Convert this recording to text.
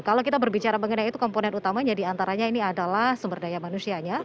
kalau kita berbicara mengenai itu komponen utamanya diantaranya ini adalah sumber daya manusianya